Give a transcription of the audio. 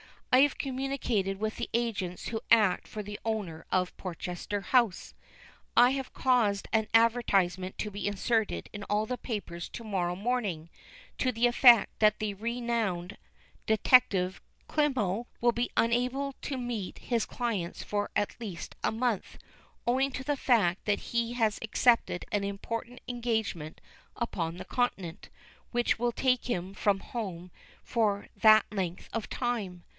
"I have communicated with the agents who act for the owner of Portchester House. I have caused an advertisement to be inserted in all the papers to morrow morning to the effect that the renowned detective Klimo, will be unable to meet his clients for at least a month, owing to the fact that he has accepted an important engagement upon the Continent, which will take him from home for that length of time.